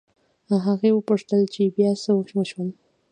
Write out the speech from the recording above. هغې وپوښتل چې بيا څه وشول